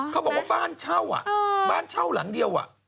เขาบอกว่าบ้านเช่าอ่ะบ้านเช่าหลังเดียว